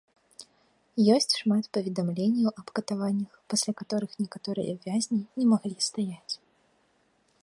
Ёсць шмат паведамленняў аб катаваннях, пасля каторых некаторыя вязні не маглі стаяць.